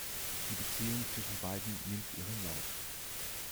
Die Beziehung zwischen beiden nimmt ihren Lauf.